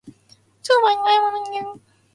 スーパーに買い物に行く。